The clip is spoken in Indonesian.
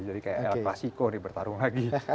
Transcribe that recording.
jadi kayak el clasico nih bertarung lagi